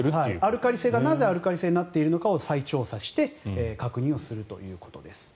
アルカリ性が、なぜアルカリ性になっているのかを再調査して確認するということです。